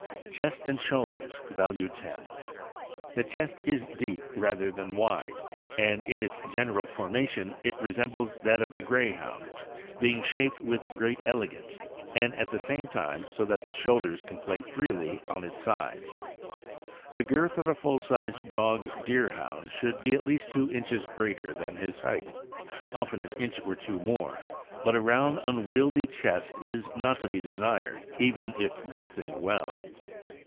Chest and shoulders (value 10). — The chest is deep rather than wide, and in its general formation it resembles that of the Greyhound, being shaped with great elegance, and at the same time so that the shoulders can play freely on its sides. The girth of a full sized dog Deerhound should be at least two inches greater than his height, often an inch or two more; but a round, unwieldy chest is not to be desired, even if girthing well.